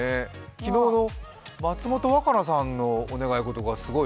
昨日の松本若菜さんのお願い事が、すごい。